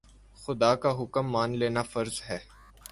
خدا کا حکم مان لینا فرض ہے